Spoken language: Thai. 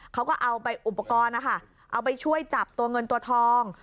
เขาก็เอาไปอุปกรณ์นะคะเอาไปช่วยจับตัวเงินตัวทอง